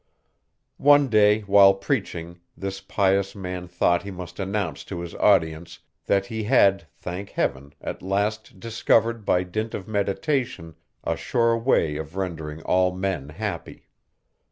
One day, while preaching, this pious man thought he must announce to his audience, that he had, thank heaven, at last discovered, by dint of meditation, a sure way of rendering all men happy.